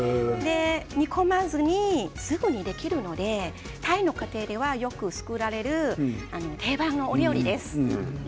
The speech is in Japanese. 煮込まずにすぐにできるのでタイの家庭ではよく作られる定番のお料理です。